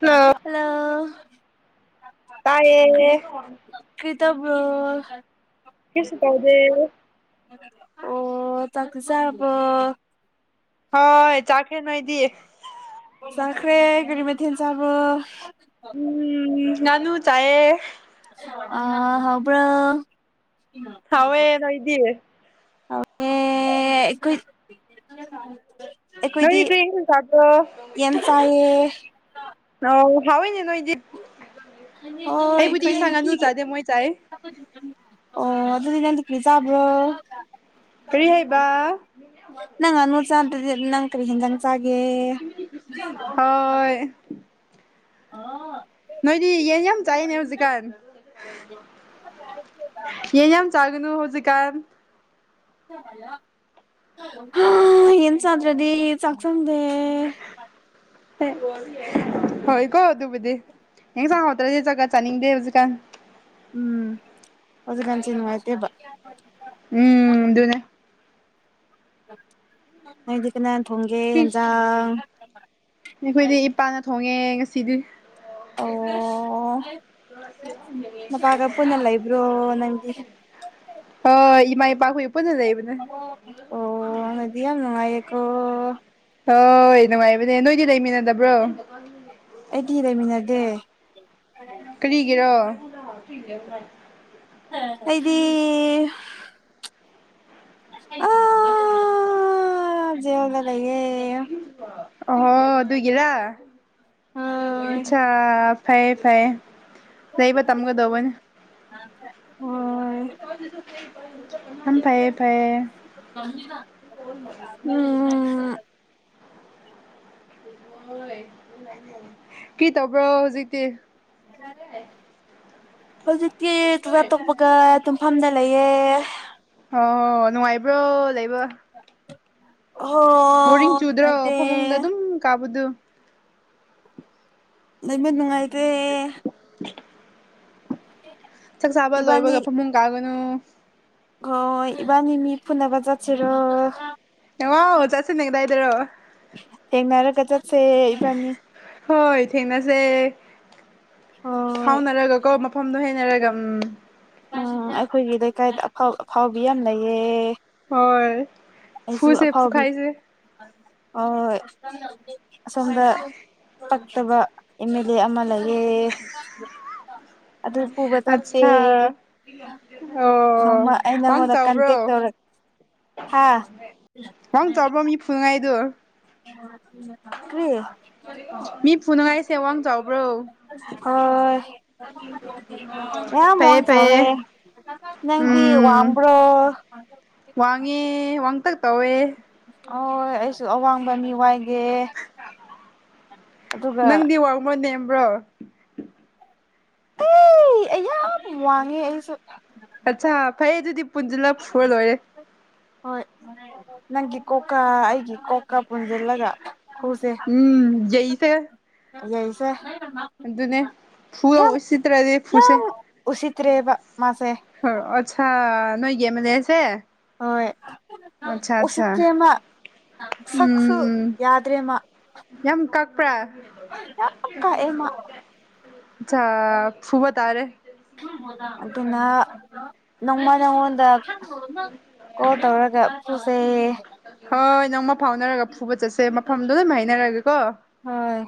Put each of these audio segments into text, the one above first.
hello hello ꯇꯥꯏꯌꯦ ꯕꯨ ꯀꯁꯨ ꯀꯥꯎꯗꯦ ꯑꯣ ꯇꯁꯕ ꯍꯣꯏ ꯆꯥꯈꯦ ꯅꯣꯏꯗꯤꯌꯦ ꯀꯦꯒꯔꯤ ꯃ ꯊꯦꯟ ꯆꯥꯕꯕꯨ ꯎꯝ ꯅꯅꯨ ꯆꯌꯦ ꯑ ꯍꯕ꯭ꯔꯣ ꯍꯋꯥꯦ ꯅ ꯏꯦ ꯑꯦꯈꯣꯏ ꯑꯩꯔꯤ ꯀ ꯀꯗ ꯌꯦꯟ ꯆꯥꯏꯌꯦ ꯑꯥꯎ ꯍꯥꯎꯣꯏꯅꯦ ꯅꯣꯏ ꯑꯣ ꯑꯩꯈ ꯆꯥꯗꯦ ꯃꯣꯏ ꯆꯥꯏ ꯑꯣ ꯑꯗꯨ ꯑꯗꯨꯗꯤꯅꯗ ꯀ ꯆꯥꯕ꯭ꯔꯣ ꯐꯔꯤ ꯍꯥꯏꯩꯕ ꯁꯥꯟꯇꯗꯤ ꯅꯪ ꯀꯔꯤ ꯍꯖꯪ ꯆꯒꯦ ꯍꯣꯏ ꯑꯥ ꯅꯣꯏꯗꯤ ꯌꯦꯟ ꯌꯥꯝ ꯆꯥꯏꯅꯦ ꯍꯧꯖꯤꯛꯀꯥꯟ ꯌꯦ ꯌꯥꯝ ꯌꯥꯝ ꯆꯥꯒꯅꯨ ꯍꯧꯖꯤꯛ ꯀꯥꯟ ꯌꯦꯟꯁꯗ꯭ꯔꯗꯤ ꯆꯥꯛ ꯆꯪꯗꯦ ꯍꯣꯏ ꯀꯣ ꯇꯨ ꯗꯤꯦ ꯍ ꯁꯉꯣ ꯇ꯭ꯔꯗꯤꯦ ꯆꯒꯠ ꯆꯥꯅꯤꯡꯗꯦ ꯍꯧꯖꯤ ꯀꯥꯟ ꯎꯝ ꯍꯧꯖꯤꯛ ꯀꯥꯟꯁꯤꯅꯨꯡꯉꯥꯏꯇꯦꯕ ꯎꯝꯗꯨꯅꯦ ꯅꯣꯏꯗꯤ ꯀꯅꯥ ꯊꯣꯡꯒꯦ ꯑꯦꯟꯖꯥꯡ ꯑꯩꯈꯣꯏꯗꯤ ꯏꯄꯥꯅ ꯊꯣꯡꯉꯦ ꯉꯁꯤꯗꯤ ꯑꯣ ꯃ ꯄꯒ ꯄꯨꯅ ꯂꯩꯕ꯭ꯔꯣ ꯅꯪꯗꯤ ꯑ ꯏꯃꯥ ꯏꯄꯥ ꯈꯣꯏ ꯄꯨꯟꯅ ꯂꯩꯕꯅꯦ ꯅꯣꯏꯗꯤ ꯌꯥꯝ ꯅꯨꯡꯉꯥꯏꯌꯦꯀꯣ ꯑꯣ ꯍꯣꯏ ꯅꯨꯡꯉꯥꯏꯕꯅꯦ ꯅꯣꯏꯗꯤ ꯂꯩꯃꯤꯟꯅꯗꯕ꯭ꯔꯣ ꯑꯩꯗꯤ ꯂꯩꯃꯤꯟꯅꯗꯦ ꯀꯔꯤꯒꯤꯔꯣ ꯑꯩꯗꯤ ꯑ ꯖꯦꯜ ꯗ ꯂꯩ ꯌꯦ ꯑꯣ ꯑꯗꯨꯒꯤꯗꯔ ꯍꯣꯏ ꯑꯆꯥ ꯐꯩꯌꯦ ꯐꯩꯌꯦ ꯂꯩꯕ ꯇꯝꯒꯗꯧꯕꯅꯤ [unintelligible] ꯑꯝ ꯐꯥꯏꯌꯦ ꯐꯥꯏꯌꯦ ꯎꯝ ꯎ ꯀꯤ ꯇꯧꯕ꯭ꯔꯣ ꯍꯧꯖꯤꯛꯇꯤ ꯍꯧꯖꯤꯛꯇꯤ ꯇꯨꯋꯦꯞ ꯇꯣꯛꯄꯒ ꯇꯨꯡꯐꯝꯗꯟ ꯑꯣ ꯅꯨꯡꯉꯥꯏꯕ꯭ꯔꯣ ꯂꯩꯕ ꯍꯣ ꯕꯣꯔꯤꯡ ꯆꯨꯗ꯭ꯔꯣ ꯅꯨꯡꯉꯥꯏꯇꯦ ꯐꯃꯨꯡꯗ ꯑꯗꯨꯝ ꯀꯥꯕꯗꯨ ꯅꯩꯃ ꯅꯨꯡꯉꯥꯏꯇꯔꯦ ꯆꯥꯛ ꯆꯥꯕ ꯂꯣꯏꯕꯒ ꯐꯃꯨꯡ ꯀꯥꯒ ꯅꯣ ꯍ ꯏꯕꯥꯅꯤꯃꯤ ꯐꯨꯅꯥꯕ ꯆꯠꯁꯦꯔꯣ ꯗꯔꯣ ꯍꯦꯡꯅꯔ ꯀ ꯆꯠꯁꯦ ꯏꯕꯅꯤ ꯍꯣꯏ ꯊꯦꯡꯅꯁꯦ ꯍꯣꯏ ꯐꯥꯎꯅꯔꯒ ꯀꯣ ꯃꯐꯝ ꯗꯣ ꯍꯩꯅꯔꯒ ꯎꯝ ꯎꯝ ꯑꯩꯈꯣꯏꯒꯤ ꯂꯩꯀꯥꯏꯗ ꯑꯐ ꯑꯐꯥꯎꯕꯤ ꯌꯥꯝ ꯂꯩꯌꯦ ꯍꯣꯏ ꯑꯩꯁꯨ ꯐꯨꯁꯦ ꯑꯐꯥꯎꯕꯤ ꯐꯨꯈꯥꯏꯁꯦ ꯍꯣꯏ ꯑꯁꯣꯝꯗ ꯄꯛꯇꯕ ꯑꯦꯝ ꯃꯦ ꯂꯦ ꯑꯃ ꯂꯩ ꯌꯦ ꯑꯗꯨ ꯐꯨꯕ ꯆꯠꯇꯦ ꯑꯠꯁꯥ ꯑꯣ ꯋꯥꯪꯡ ꯅꯪꯉꯣꯟꯗ ꯆꯥꯎꯕ꯭ꯔꯣ ꯀꯟꯇꯦꯛ ꯇꯧꯔꯛ ꯍꯥ ꯋꯥꯪ ꯆꯥꯎꯕ ꯃꯤ ꯐꯨꯉꯥꯏꯗꯨ ꯀ꯭ꯔꯤ ꯑꯧ ꯍ ꯌꯥꯝ ꯃꯡ ꯐꯩꯌꯦ ꯁꯋꯦ ꯐꯩꯌꯦ ꯅꯪꯗꯤ ꯎꯝ ꯋꯥꯡꯕꯔꯣ ꯋꯥꯡꯉꯦ ꯋꯥꯡꯇꯛ ꯇꯧꯋꯦ ꯍꯣꯏ ꯑꯩꯁꯨ ꯑꯋꯥꯡꯕ ꯃꯤ ꯋꯥꯏꯒꯦ ꯑꯗꯨꯒ ꯅꯪꯗꯤ ꯋꯥꯡꯕ꯭ꯔꯣ ꯅꯦꯝꯕ꯭ꯔꯣ ꯑꯩ ꯑꯩ ꯌꯥꯝ ꯋꯥꯡꯉꯦ ꯑꯩꯁꯨ ꯑꯠꯆꯥ ꯐꯩꯌꯦ ꯑꯗꯨꯗꯤ ꯄꯨꯟꯖꯤꯜꯂ ꯐꯨꯔ ꯂꯣꯏꯔꯦ ꯍꯣꯏ ꯅꯪꯒꯤ ꯀꯣꯀꯥ ꯑꯩꯒꯤ ꯀꯣ ꯀ ꯄꯨꯟꯖꯤꯜꯂꯒ ꯐꯨꯁꯦ ꯎꯝ ꯌꯩꯁꯦ ꯌꯩꯁꯦ ꯑꯗꯨꯅꯦ ꯐꯨ ꯌꯥꯝ ꯎꯁꯤꯠꯇ꯭ꯔꯗꯤ ꯐꯨꯁꯦ ꯌꯥꯝ ꯎꯁꯤꯠꯇ꯭ꯔꯦꯕ ꯃꯥꯁꯦ ꯍ ꯑꯠꯆꯥꯥ ꯅꯣꯏ ꯌꯦ ꯃ ꯂꯩꯁꯦ ꯍꯣꯏ ꯑꯆꯥ ꯑꯠꯆꯥ ꯎꯁꯤꯠꯇ꯭ꯔꯦ ꯃꯥ ꯁꯛꯁꯨ ꯌꯥꯗ꯭ꯔꯦꯃ ꯌꯥꯝ ꯀꯥꯛꯄ꯭ꯔꯥ ꯥꯌꯥꯝ ꯀꯥꯛꯑꯦ ꯃꯥ ꯑꯠꯁꯥ ꯐꯨꯕ ꯇꯥꯔꯦ ꯑꯗꯨꯅ ꯅꯣꯡꯃ ꯅꯉꯣꯟꯗ ꯀꯣꯜ ꯇꯧꯔꯒ ꯄꯨꯁꯦ ꯍꯣꯏ ꯅꯣꯡꯃ ꯐꯥꯎꯅꯔꯒ ꯐꯨꯕ ꯆꯠꯁꯦ ꯃꯐꯝꯗꯣ ꯂꯣꯏꯝ ꯍꯥꯏꯅꯔꯒꯦꯀꯣ ꯍꯣꯏ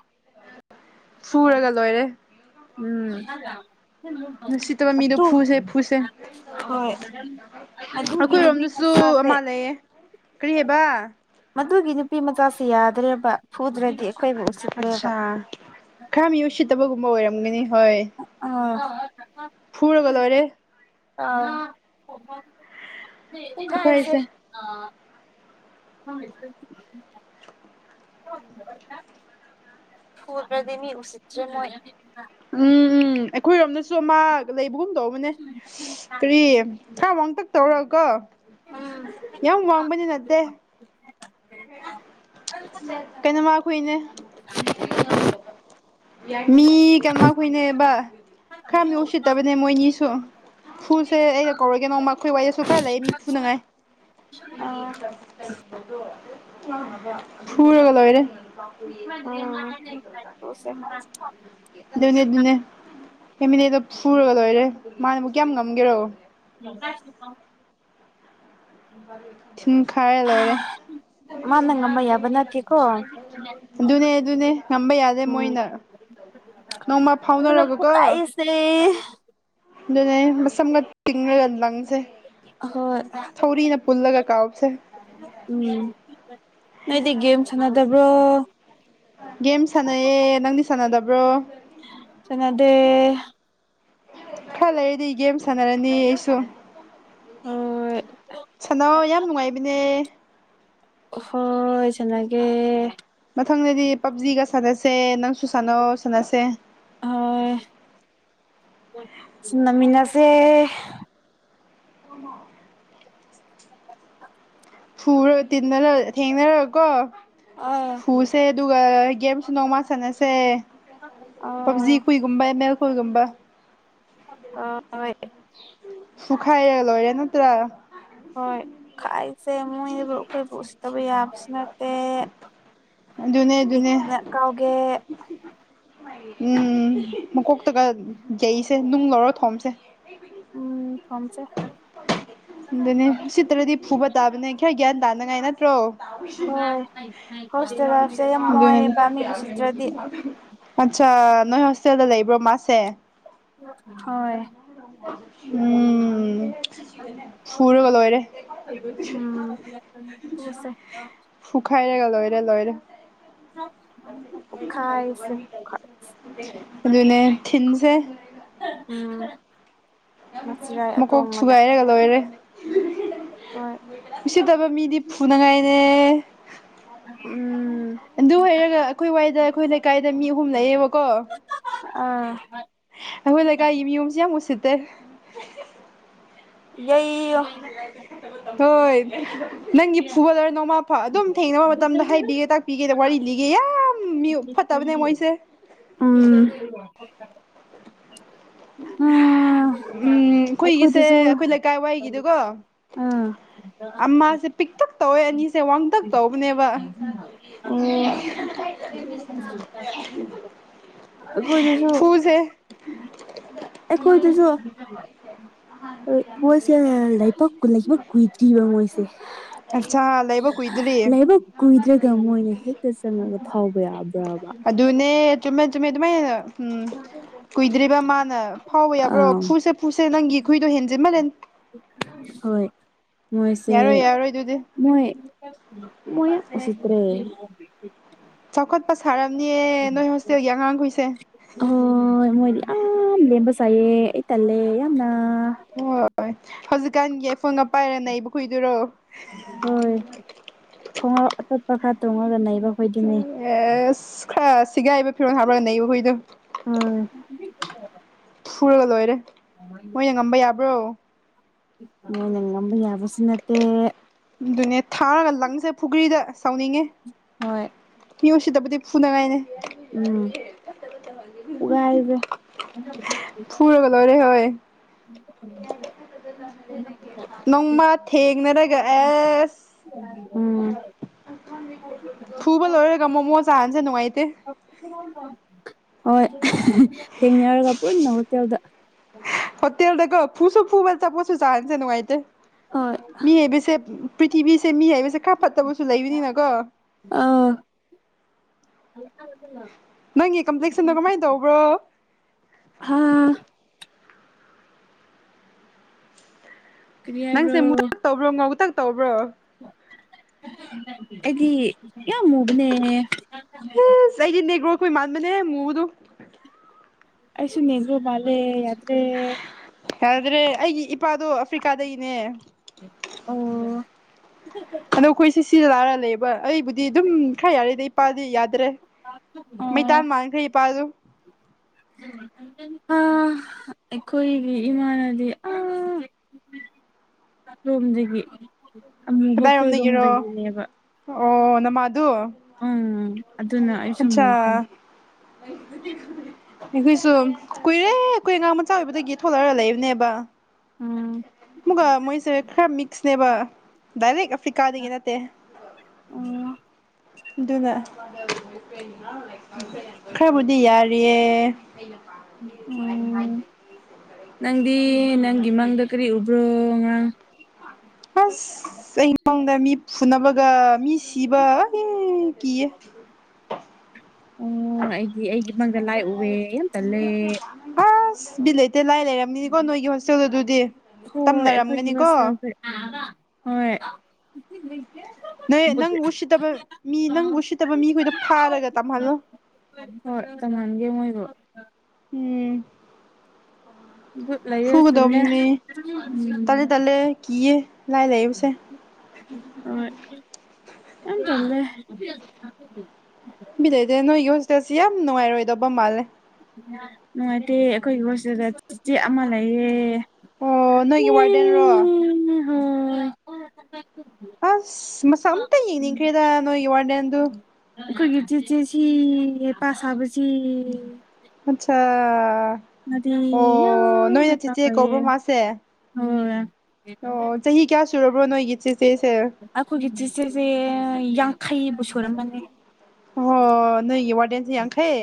ꯐꯨꯔꯒ ꯂꯣꯏꯔꯦ ꯎꯝ ꯇ ꯅꯨꯡꯁꯤꯠꯇꯕ ꯃꯤꯗꯣ ꯐꯨꯁꯦ ꯐꯨꯁꯦ ꯍꯣꯏ ꯑꯗꯨꯒꯤ ꯅꯨꯄꯤ ꯑꯩꯈꯣꯏꯔꯣꯝꯗꯁꯨ ꯃꯆꯥꯁꯦ ꯑꯃꯥ ꯂꯩꯌꯦꯦ ꯀꯔꯤ ꯍꯥꯏꯕ ꯃꯗꯨꯒꯤ ꯅꯨꯄꯤ ꯃꯆꯥꯁꯤ ꯌꯥꯗ꯭ꯔꯦꯕ ꯐꯨꯗ꯭ꯔꯗꯤ ꯑꯩꯈꯣꯏꯕꯨ ꯎꯁꯤꯛꯇ꯭ꯔꯦꯕ ꯐꯠꯇꯕꯒꯨꯝꯕ ꯑꯣꯏꯔꯝꯒꯅꯤ ꯍꯣꯏ ꯐꯨꯔꯒ ꯂꯣꯏꯔꯦ ꯑ ꯈꯁꯦ ꯐꯨꯈꯥꯏꯁꯦ ꯍ ꯐ꯭ꯔꯗꯦꯃꯤ ꯎꯆ꯭ꯔꯦ ꯃꯣꯏ ꯎꯝ ꯎꯝ ꯑꯩꯈꯣꯏꯔꯣꯝꯅꯁꯨ ꯃꯥ ꯂꯩꯕꯒꯨꯝ ꯇꯧꯕ ꯑꯃꯅꯦ ꯀꯔꯤ ꯈꯔ ꯋꯥꯡꯇꯛ ꯇꯧꯔ ꯀꯣ ꯎꯝ ꯌꯥꯝ ꯋꯥꯡꯕꯅꯤ ꯅꯠꯇꯦ ꯀꯩꯅ ꯃꯥꯈꯏꯅꯦ ꯃꯤ ꯀꯩꯅꯣꯃꯈꯣꯏꯅꯦꯕ ꯈꯔ ꯃꯤ ꯎꯁꯤꯠꯇꯕꯅꯦ ꯃꯣꯏꯅꯤꯁꯨ ꯐꯨꯁꯦ ꯑꯩꯅ ꯀꯧꯔꯒꯦ ꯅꯃ ꯑꯩꯈꯣꯏ ꯋꯥꯔꯤꯏꯗꯁꯨ ꯈꯔ ꯂꯩ ꯃꯤ ꯐꯨꯅꯉꯥꯏ ꯑꯥ ꯁꯔꯒ ꯂꯅꯦ ꯎꯝ ꯄꯨꯁꯦ ꯅꯦ ꯅꯦ ꯐꯦꯃꯤꯅꯦꯗꯣ ꯐꯨꯔꯒ ꯂꯣꯏꯔꯦ ꯃꯥꯅꯦꯕꯨꯛ ꯀꯌꯥꯝ ꯉꯝꯒꯦꯔꯣ ꯌꯒ ꯁꯤꯄ ꯊꯤꯟ ꯈꯥꯏꯔꯦ ꯂꯣꯏꯔꯦ ꯃꯥꯅ ꯉꯝꯕ ꯌꯥꯕ ꯅꯠꯇꯦꯀꯣ ꯑꯗꯨꯅꯦ ꯑꯗꯨꯅꯦ ꯉꯝꯕ ꯌꯥꯗꯦ ꯎꯝ ꯃꯣꯏꯅ ꯅꯣꯡꯃ ꯑꯗꯨꯅ ꯄꯨ ꯀꯥꯏꯁꯦ ꯑꯗꯨꯅꯦꯁꯝꯒ ꯇꯤꯡꯦꯜꯗꯪ ꯍꯣꯏ ꯇꯧꯔꯤ ꯄꯨꯜꯂꯒ ꯀꯥꯎꯁꯦ ꯅꯗꯤ ꯦꯝ ꯆꯉꯗꯕ꯭ꯔꯣ ꯒꯦꯝ ꯁꯥꯟꯅꯩꯌꯦꯦ ꯅꯪꯗꯤ ꯁꯥꯟꯅꯗꯕ꯭ꯔꯣ ꯆꯗ ꯈꯔ ꯂꯩꯔꯗꯤ ꯒꯦꯝ ꯁꯥꯟꯅꯔꯅꯤ ꯑꯩꯁꯨ ꯍꯣꯏ ꯁꯥꯅꯧ ꯌꯥꯝ ꯅꯨꯡꯉꯥꯏꯕꯅꯦ ꯍꯣꯏ ꯆꯅꯒꯦ ꯃꯊꯪꯗꯗꯤ ꯄꯞꯖꯤꯒ ꯁꯥꯟꯅꯁꯦ ꯅꯪꯁꯨ ꯁꯥꯟꯅꯧ ꯁꯥꯟꯅꯁꯦ ꯍꯅꯃꯤꯅꯥꯁꯦ ꯑꯃ ꯁꯨꯔ ꯇꯤꯟꯅꯔ ꯊꯦꯡꯅꯔꯀꯣ ꯑꯥ ꯐꯨꯁꯦ ꯑꯗꯨꯒ ꯒꯦꯝꯁꯨ ꯅꯣꯡꯃ ꯁꯥꯟꯅꯁꯦ ꯄꯕꯖꯤ ꯑꯥ ꯀꯏꯒꯨꯝꯕ ꯑꯃꯦꯜ ꯈꯏꯒꯨꯝꯕ ꯍ ꯁꯨꯈꯥꯏꯂꯣ ꯌꯦ ꯅꯠꯇ꯭ꯔꯥ ꯍꯣꯏ ꯈꯥꯏꯁꯦ ꯃꯣꯏꯕꯨ ꯑꯩꯈꯣꯏꯕꯨ ꯎꯁꯤꯠꯇꯕ ꯌꯥꯕꯁꯨ ꯅꯠꯇꯦ ꯑꯗꯨꯅꯦ ꯑꯗꯨꯅꯦ ꯅ ꯀꯥꯎꯦ ꯎꯝ ꯃꯀꯣꯛꯇꯒ ꯌꯩꯁꯦ ꯅꯨꯡ ꯂꯧꯔꯣ ꯊꯣꯝꯁꯦ ꯎꯝ ꯊꯝꯁꯦ ꯑꯗꯨ ꯑꯗꯨꯅꯦ ꯁꯤꯠꯇ꯭ꯔꯗꯤ ꯐꯨꯕ ꯇꯥꯕꯅꯦ ꯈꯌꯥ ꯒ꯭ꯌꯥꯟ ꯇꯥꯅꯉꯥꯏ ꯅꯠꯇ꯭ꯔꯣ ꯍꯣꯏ ꯍꯣꯁꯇꯦꯜ ꯂꯥꯏꯐꯁꯦ ꯌꯥꯝ ꯋꯥꯏꯑꯦꯕ ꯃꯤ ꯎꯁꯤꯠꯇ꯭ꯔꯗꯤ [unintelligible] ꯑꯠꯆꯥ ꯅꯣꯏ ꯍꯣꯁꯇꯦꯜꯗ ꯂꯩꯕ꯭ꯔꯣ ꯃꯥꯁꯦ ꯍꯣꯏ ꯎꯝ ꯐꯣꯔꯒ ꯂꯣꯣꯏꯔ ꯇꯣꯁꯦ ꯂꯣꯏꯔꯦ ꯎꯞꯈꯥꯏꯁꯦ ꯑꯗꯨꯅꯦ ꯊꯤꯟ ꯎꯝ ꯃꯆꯤꯔꯥꯏ ꯃꯀꯣꯛ ꯑꯇꯣꯡꯕꯗ ꯊꯨꯒꯥꯏꯔꯒ ꯂꯣꯏꯔꯦ ꯍꯣꯏ ꯆꯠꯇꯕ ꯃꯤꯗꯤ ꯐꯨꯅꯉꯥꯏꯅꯦ ꯎꯝ ꯑꯗꯨ ꯑꯣꯏꯔꯒ ꯑꯩꯈꯣꯏ ꯋꯥꯏꯗ ꯑꯩꯈꯣꯏ ꯀꯥꯏꯗ ꯃꯤ ꯑꯍꯨꯝ ꯂꯩꯌꯦꯕꯀꯣ ꯑꯥ ꯑꯩꯈꯣꯏ ꯂꯩꯀꯥꯏꯒꯤ ꯃꯌꯨꯝꯁꯤ ꯌꯥꯝ ꯃꯨꯁꯤꯠꯇꯦ ꯌꯏꯌꯣ ꯍꯣꯏ ꯅꯪꯒꯤ ꯐꯨꯠꯕꯣꯂꯔ ꯅꯣꯡꯃꯥ ꯐ ꯑꯗꯨꯝ ꯊꯦꯡꯅꯕ ꯃꯇꯝꯗ ꯍꯥꯏꯕꯤꯒꯦ ꯇꯥꯛꯄꯤꯒꯦꯅ ꯋꯥꯔꯤ ꯂꯤꯒꯦ ꯌꯥꯝ ꯐꯠꯇꯕꯅꯦ ꯃꯣꯏꯁꯦ ꯎꯝ ꯎꯝ ꯎꯝ ꯑꯩꯈꯣꯏꯒꯤꯁꯦ ꯑꯩꯈꯣꯏ ꯂꯩꯀꯥꯏ ꯑꯩꯈꯣꯏꯗꯁꯨ ꯋꯥꯏꯒꯤꯗꯨꯀꯣ ꯑꯃꯁꯦ ꯁꯨ ꯄꯤꯛꯇꯛ ꯇꯧꯋꯦ ꯑꯅꯤꯁꯦ ꯋꯥꯡꯇꯛ ꯇꯧꯕꯅꯦꯕ ꯈꯣꯏꯗꯁꯨ ꯐꯨꯁꯦ ꯑꯩꯈꯣꯏꯗꯨꯁꯨ ꯃꯣꯏꯁꯦ ꯂꯩꯄꯥꯛ ꯂꯩꯄ ꯀꯨꯏꯗ꯭ꯔꯤꯕ ꯃꯣꯏꯁꯦ ꯑꯠꯆꯥ ꯂꯩꯕ ꯀꯨꯏꯗ꯭ꯔꯤ ꯂꯥꯏꯕꯛ ꯀꯨꯏꯗ꯭ꯔꯒ ꯃꯣꯏꯅ ꯍꯦꯛꯇ ꯆꯪꯉꯛ ꯑꯗꯨꯅꯦ ꯆꯨꯝꯃꯦ ꯆꯨꯝꯃꯦ ꯑꯗꯨꯃꯥꯏꯅ ꯎꯝ ꯀꯨꯏꯗ꯭ꯔꯤꯕ ꯃꯥꯅ ꯐꯥꯎꯕ ꯌꯥꯕ꯭ꯔꯣ ꯑꯥ ꯐꯨꯁꯦ ꯐꯨꯁꯦ ꯅꯪꯒꯤ ꯈꯨꯏꯗꯣ ꯍꯦꯟꯖꯦ ꯃꯥꯂꯦꯟ ꯍꯣꯏ ꯃꯣꯏꯁꯦ ꯃꯣꯏ ꯃꯣꯏ ꯎ ꯎꯆꯠ꯭ꯔꯦ ꯆꯈꯠ ꯄ ꯁꯔ ꯑꯣ ꯃꯣꯏꯗꯤ ꯌꯥꯝ ꯂꯦꯝꯕ ꯁꯥꯏꯌꯦ ꯑꯩ ꯇꯜꯂꯦ ꯌꯥꯝꯅ ꯍꯣꯏ ꯍꯧꯖꯤꯛꯀꯥꯟꯒꯤ ꯄꯥꯏꯔ ꯅꯩꯕ ꯈꯣꯏꯗꯨꯔꯣ ꯍꯣꯏ ꯈꯣꯡꯥꯎ ꯑꯇꯣꯞꯄ ꯈꯔ ꯇꯣꯡꯉꯒ ꯑꯩꯈꯣꯏꯗꯤꯅꯦ ꯑꯦꯁ ꯈꯔ ꯁꯤꯒꯥꯏꯕ ꯐꯤꯔꯣꯟꯜ ꯍꯥꯞꯄꯣ ꯅꯩꯕꯨ ꯍꯨꯏꯗꯣ ꯍꯣꯏ ꯁꯨꯔꯒ ꯂꯣꯏꯔꯦ ꯃꯣꯏꯅ ꯉꯝꯕ ꯌꯥꯕ꯭ꯔꯣ ꯃꯣꯏꯅ ꯉꯝꯕ ꯌꯥꯕꯁꯨ ꯅꯠꯇꯦ ꯑꯗꯨꯅꯦ ꯊꯥꯔꯒ ꯂꯪꯁꯦ ꯄꯨꯈ꯭ꯔꯤꯗ ꯁꯥꯎꯅꯤꯡꯉꯤ ꯍꯣꯏ ꯃꯤꯑꯣꯏꯁꯤꯗꯕꯨꯗꯤ ꯐꯨꯅꯉꯥꯏꯅꯤ ꯎꯝ ꯎꯒꯕꯦ ꯐꯨꯔꯒꯂꯔꯦ ꯍꯣꯏ ꯅꯣꯡꯃ ꯊꯦꯡꯅꯔꯒ ꯑꯦꯁ ꯎꯝ ꯐꯨꯕꯥ ꯂꯣꯏꯔꯒ ꯃꯣꯃꯣ ꯆꯥꯍꯟꯁꯦ ꯅꯨꯡꯉꯥꯏꯇꯦ ꯀ [unintelligible] ꯍꯣꯏ ꯊꯦꯡꯅꯔꯒ ꯄꯨꯟꯅ ꯍꯣꯇꯦꯜꯗ ꯍꯣꯇꯦꯜꯗꯥ ꯐꯨꯁꯨ ꯐꯨꯕꯦꯜ ꯆꯣꯁꯨ ꯆꯍꯁꯦ ꯅꯅꯨꯡꯉꯥꯏꯦ ꯍꯣꯏ ꯃꯤ ꯍꯥꯏꯕꯁꯦ ꯄ꯭ꯔꯤꯊꯤꯕꯤꯁꯦ ꯃꯤ ꯍꯥꯏꯩꯕꯁꯦ ꯀꯥ ꯐꯠꯇꯕꯁꯨ ꯂꯩꯕꯅꯤꯅꯀꯣ ꯑꯥ ꯍ ꯅꯪꯒꯤ ꯀꯝꯄ꯭ꯂꯦꯛꯁꯟꯗꯣ ꯀꯃꯥꯏꯅ ꯇꯧꯕ꯭ꯔꯣ [inaudible] ꯍꯥꯥ ꯀꯔꯤ ꯅꯪꯁꯦ ꯃꯨꯛꯇꯛ ꯇꯧꯕ꯭ꯔꯣ ꯉꯥꯎꯨ ꯇꯛ ꯇꯧꯕ꯭ꯔꯣ ꯍ [inaudible] ꯑꯩꯗꯤ ꯌꯥꯝ ꯃꯨꯕꯅꯦ ꯍ‌ꯣꯏ ꯃꯥꯟꯕꯅꯦ ꯃꯨꯕꯗ‌ꯣ ꯑꯩꯁꯨꯨ ꯅ‌ꯦꯒꯔ‌ꯣ ꯃꯥꯜꯂꯦ ꯌꯥꯗꯔ‌ꯦ ꯌꯥꯗ꯭ꯔꯦ ꯑꯩꯒꯤ ꯏꯄꯥꯗꯣ ꯑꯐ꯭ꯔꯤꯀꯥꯗꯒꯤꯅꯦ ꯑꯣ [unintelligible] ꯑꯗꯣ ꯈꯣꯏꯁꯤ ꯁꯤ ꯁꯤꯗ ꯂꯥꯛꯑꯒ ꯂꯩꯕ ꯑꯩꯕꯨꯗꯤ ꯑꯗꯨꯝ ꯈꯔ ꯌꯥꯔꯦꯗ ꯏꯄꯥꯗꯤ ꯌꯥ ꯭ꯗꯔꯦ ꯑꯣ ꯃꯩꯇꯥꯟ ꯃꯥꯟꯈ꯭ꯔꯦ ꯏꯄꯥꯗ‌ꯣ ꯑꯥ ꯑꯈ‌ꯣꯏꯒꯤ ꯏꯃꯥ ꯅꯗꯤ ꯑꯥ ꯔꯣꯝꯖꯤꯒꯤ ꯀꯗꯥꯏꯔꯣꯝꯗꯒꯤꯔꯣ ꯑꯣ ꯅꯃꯥꯗꯨ ꯎꯝ ꯑꯗꯨꯅ ꯑꯩꯁꯨ ꯑꯠꯁꯥ ꯃꯨꯈ꯭ꯔꯦ ꯑꯩꯈꯣꯏꯁꯨ ꯀꯨꯏꯔꯦ ꯀꯨꯏ ꯑꯉꯥꯡ ꯃꯆꯥ ꯑꯣꯏꯕꯗꯒꯤ ꯊꯣꯛꯂꯛꯑꯒ ꯂꯩꯕꯅꯦꯕ ꯎꯝ ꯃꯨꯛꯒ ꯃꯣꯏꯁꯦ ꯈꯔ ꯃꯤꯛꯁꯅꯦꯕ ꯗꯥꯏꯔ‌ꯦꯛ ꯑꯐ꯭ꯔꯤꯀꯥꯗꯒꯤ ꯅꯠꯇꯦ ꯑꯣ ꯑꯗꯨꯅ ꯈꯔꯕꯨꯗꯤ ꯌꯥꯔꯤꯌꯦ ꯑꯣ ꯅꯪꯗꯤ ꯅꯪꯒꯤ ꯃꯪꯗ ꯀꯔꯤ ꯎꯕ꯭ꯔꯣ ꯉꯔꯥꯡ ꯑꯁ ꯑꯩ ꯃꯪꯗ ꯃꯤ ꯐꯨꯅꯕꯒ ꯃꯤ ꯁꯤꯕ ꯑꯩꯏ ꯀꯤꯌ‌ꯦ ꯑꯣ ꯑꯩꯒꯤ ꯑꯩꯒꯤ ꯃꯪꯗ ꯂꯥꯏ ꯎꯋꯦ ꯌꯥꯝ ꯇꯜꯂꯦ ꯑꯁ ꯕꯤꯠ ꯂꯩ ꯇ‌ꯦ ꯂꯥꯏ ꯂꯩꯔꯝꯃꯤꯅꯤꯀꯣ ꯅꯣꯏꯒꯤ ꯍꯣꯁꯇꯦꯜ ꯑꯗꯨꯗꯤ ꯍꯣꯏ ꯑꯩꯈꯣꯏꯒꯤ ꯍ‌ꯣꯁꯇ‌ꯦꯜꯁ‌ꯦ [inaudible] ꯍꯣꯏ ꯅꯣꯏ ꯅꯪꯕꯨ ꯎꯁꯤꯠꯇꯕ ꯃꯤ ꯅꯪꯕꯨ ꯎꯁꯤꯠꯇꯕ ꯃꯤꯈꯣꯏꯗꯣ ꯐꯥꯔꯒ ꯇꯝꯍꯜꯂꯣ ꯍ‌ꯣꯏ ꯇꯝꯍꯟꯒ ꯔ‌ꯣ [inaudible] ꯎꯝ ꯚꯨꯠ ꯂꯩꯔ‌ꯦ ꯑꯁ ꯇꯜꯂ‌ꯦ ꯐꯨꯒꯗꯧꯕꯅꯦ ꯇꯜꯂꯦ ꯎꯝ ꯇꯜꯂꯦ ꯀꯤꯌꯦ ꯂꯥꯏ ꯂꯩꯕꯁꯦ ꯍ‌ꯣꯏ ꯌꯥꯝ ꯇꯜꯂ‌ꯦ [inaudible] ꯕꯤꯠ ꯂꯩꯗꯦ ꯅꯣꯏꯒꯤ ꯍꯣꯁꯇꯦꯜꯁꯤ ꯌꯥꯝ ꯅꯨꯡꯉꯥꯏꯔꯣꯏꯗꯕ ꯃꯥꯜꯂꯦ ꯅꯨꯡꯉꯥꯏꯇꯦ ꯑꯩꯈꯣꯏꯒꯤ ꯍꯣꯁꯇꯦꯜꯗ ꯑ ꯆꯦ ꯑꯃ ꯂꯩꯌꯦ ꯑꯣ ꯅꯣꯏꯒꯤ ꯋꯥꯔꯗꯦꯟꯔꯣ ꯑꯣ [unintelligible] ꯑꯁ ꯃꯁꯛ ꯑꯝꯇ ꯌ‌ꯦꯡꯅꯤꯡꯈꯔ‌ꯦꯗ ꯅ‌ꯣꯏꯒꯤ ꯋꯥꯔ ꯑꯩꯈꯣꯏꯒꯤ ꯆ‌ꯦꯆꯦꯁꯤ ꯍꯩꯄꯥ ꯁꯥꯕꯁꯤ ꯑꯆꯥ ꯃꯗꯤ ꯌꯥꯝ ꯑꯣ ꯅꯣꯏꯅ ꯍꯩꯄꯥ ꯆꯦꯆꯦ ꯁꯥꯏꯌꯦ ꯀꯧꯕ꯭ꯔ ꯃꯥꯁꯦ ꯍꯣꯏ ꯑꯣ ꯆꯍꯤ ꯀꯌꯥ ꯁꯨꯔꯕ꯭ꯔꯣ ꯅꯣꯏꯒꯤ ꯆꯦ ꯑꯩꯈꯣꯏꯒꯤ ꯆꯦꯆꯦꯁꯦ ꯌꯥꯡꯈꯩꯕꯨ ꯁꯨꯔꯝꯃꯅꯤ ꯑꯣ ꯅ‌ꯣꯏꯒꯤ ꯋꯥꯔꯗ‌ꯦꯟꯁ‌ꯦ ꯌꯥꯡꯈꯩ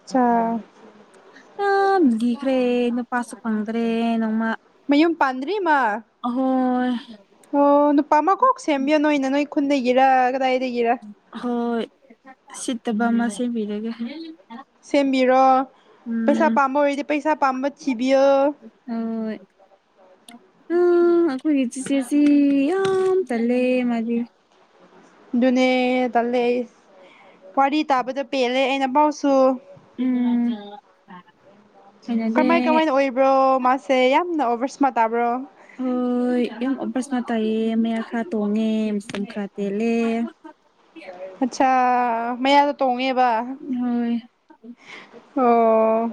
ꯑꯠꯁꯥ ꯑ ꯂꯤꯈ꯭ꯔꯦ ꯅꯨꯄꯥꯁꯨ ꯐꯪꯗ꯭ꯔꯦ ꯅ‌ꯣꯡꯃ ꯃꯌꯨꯝ ꯄꯥꯟꯗꯔꯤ ꯃꯥ ꯑꯍꯣꯏ ꯑꯣ ꯅꯨꯄꯥ ꯑꯃ ꯀꯣꯛ ꯁꯦꯝꯕꯤꯌꯣ ꯅꯣꯏꯅ ꯅꯣꯏ ꯈꯨꯟꯗꯒꯤꯔ ꯀꯗꯥꯏ ꯍꯣꯏ ꯁꯤꯠꯇꯕ ꯑꯃ ꯁ‌ꯦꯝꯕꯤꯔꯒꯦ ꯁꯦꯝꯕꯤꯔꯣ ꯄꯩꯁꯥ ꯄꯥꯝꯕ ꯑꯣꯏꯔꯗꯤ ꯄꯩꯁꯥ ꯄꯥꯝꯕ ꯊꯤꯕꯤꯌꯨ ꯍꯣꯏ ꯎꯝ ꯑꯩꯈꯣꯏꯒꯤ ꯆꯤꯆꯦꯁꯤ ꯌꯥꯝ ꯇꯜꯂꯦ ꯃꯥꯗꯤ ꯑꯗꯨꯅꯦ ꯇꯜꯂꯦ ꯑꯩ ꯋꯥꯔꯤ ꯇꯥꯕꯗ ꯄꯦꯜꯂꯦ ꯑꯩꯅ ꯄꯥꯎꯁꯨ ꯎꯝ ꯍꯩꯅꯗꯦ ꯀꯃꯥꯏ ꯀꯃꯥꯏꯅ ꯑꯣꯏꯕ꯭ꯔꯣ ꯃꯥꯁꯦ ꯌꯥꯝꯅ ꯑꯣꯕꯔ ꯁꯃꯥꯔꯠ ꯇꯥꯕ꯭ꯔꯣ ꯍꯣꯏ ꯌꯥꯝ ꯑꯣꯕꯔ ꯁꯃꯥꯔꯠ ꯇꯥꯌꯦ ꯃꯌꯥ ꯈꯔ ꯇꯣꯡꯉꯦ ꯃꯆꯜ ꯈꯔ ꯇꯦꯜꯂꯦ ꯑꯆꯥ ꯃꯌꯥꯗ ꯇꯣꯡꯒꯦ ꯍꯣꯏ ꯑꯣ